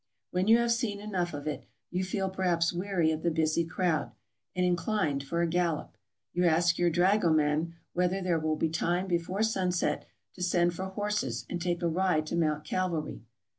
When you have seen enough of it, you feel perhaps weary of the busy crowd, and inclined for a gallop; you ask your dragoman whether there will be time before sunset to send for horses and take a ride to Mount Calvary.